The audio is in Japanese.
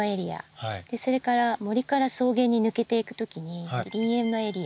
それから森から草原に抜けていくときに林縁のエリア。